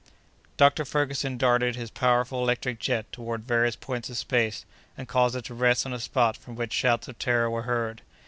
Dr. Ferguson darted his powerful electric jet toward various points of space, and caused it to rest on a spot from which shouts of terror were heard.